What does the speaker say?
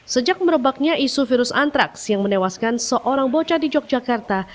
sejak merebaknya isu virus antraks yang menewaskan seorang bocah di yogyakarta